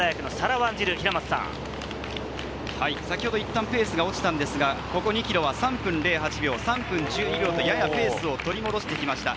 先ほどいったんペースが落ちたんですが、ここ２ｋｍは３分０８秒、３分１２秒と、ややペースを取り戻してきました。